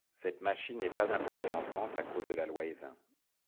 Cette machine n'est pas importée en France à cause de la loi Évin.